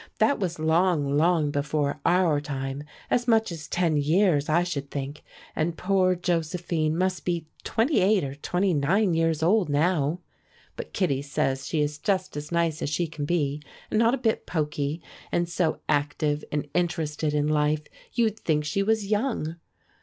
That was long, long before our time as much as ten years, I should think, and poor Josephine must be twenty eight or twenty nine years old now. But Kittie says she is just as nice as she can be, and not a bit poky, and so active and interested in life you'd think she was young.